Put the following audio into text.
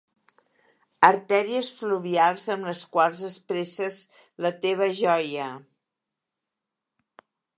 Artèries fluvials amb les quals expresses la teva joia.